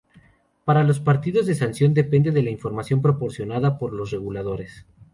Para los partidos de sanción depende de la información proporcionada por los reguladores.